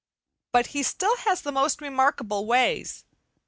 But he has the most remarkable ways.